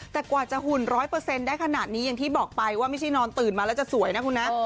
แต่กว่าจะหุ่น๑๐๐ได้ขนาดนี้อย่างที่บอกไปว่าไม่ใช่นอนตื่นมาแล้วจะสวยนะคุณนะ